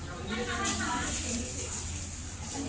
ก็สามารถสาวถึง